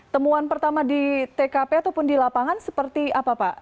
temuan pertama di tkp ataupun di lapangan seperti apa pak